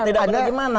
tidak ada bagaimana